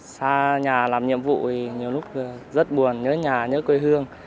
xa nhà làm nhiệm vụ thì nhiều lúc rất buồn nhớ nhà nhớ quê hương